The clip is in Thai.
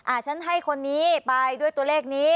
ฉันให้คนนี้ไปด้วยตัวเลขนี้